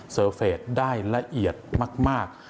เซอร์เฟสได้ละเอียดมาก